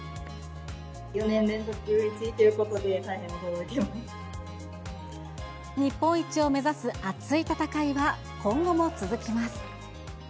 ４年連続１位ということで、日本一を目指す熱い戦いは、今後も続きます。